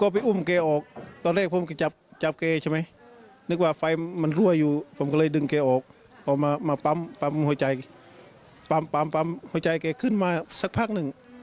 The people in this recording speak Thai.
ปั๊มหัวใจเก็บขึ้นมาสักพักหนึ่ง